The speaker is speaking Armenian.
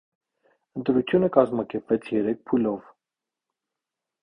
Ընտրությունը կազմակերպվեց երեք փուլով։